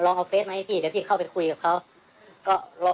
ลองเอาเพศมาให้พี่เดี๋ยวพี่เข้าไปคุยกับเขา